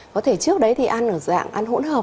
có thể trước đấy thì ăn ở dạng ăn hỗn hợp